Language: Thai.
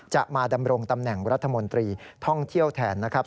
จะมาดำรงตำแหน่งรัฐมนตรีท่องเที่ยวแทนนะครับ